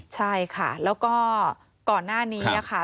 ใช่ค่ะแล้วก็ก่อนหน้านี้ค่ะ